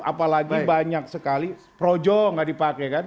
apalagi banyak sekali projo nggak dipakai kan